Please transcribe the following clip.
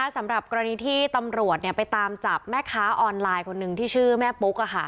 สำหรับกรณีที่ตำรวจไปตามจับแม่ค้าออนไลน์คนหนึ่งที่ชื่อแม่ปุ๊ก